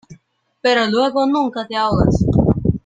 pero luego nunca te ahogas.